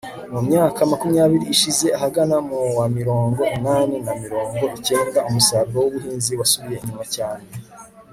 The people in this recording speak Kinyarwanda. mu myaka makumyabiri ishize (ahagana mu wa mirongo inani na morongo icyenda umusaruro w'ubuhinzi wasubiye inyuma cyane